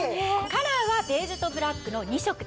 カラーはベージュとブラックの２色です。